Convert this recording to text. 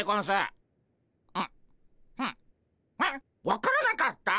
分からなかった？